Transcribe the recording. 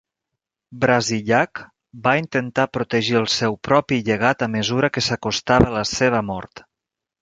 Brasillach va intentar protegir el seu propi llegat a mesura que s'acostava la seva mort.